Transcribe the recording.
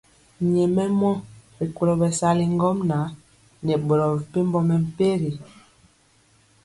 Nyɛmemɔ rikolo bɛsali ŋgomnaŋ nɛ boro mepempɔ mɛmpegi.